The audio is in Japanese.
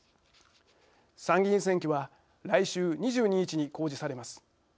参議院選挙は来週２２日に公示されます。